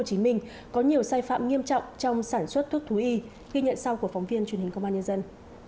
chí minh có nhiều sai phạm nghiêm trọng trong sản xuất thuốc thú y ghi nhận sau của phóng viên